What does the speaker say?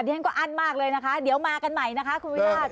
ฉันก็อั้นมากเลยนะคะเดี๋ยวมากันใหม่นะคะคุณวิราช